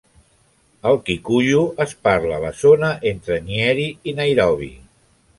El kikuyu es parla a la zona entre Nyeri i Nairobi.